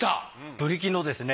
ブリキのですね